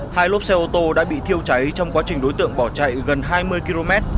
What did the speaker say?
hai lốp xe ô tô đã bị thiêu cháy trong quá trình đối tượng bỏ chạy gần hai mươi km